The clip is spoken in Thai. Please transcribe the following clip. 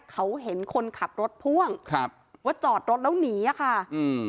เขาเห็นคนขับรถพ่วงครับว่าจอดรถแล้วหนีอ่ะค่ะอืม